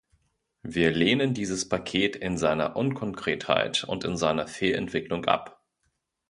Wir lehnen dieses Paket in seiner Unkonkretheit und in seiner Fehlentwicklung ab.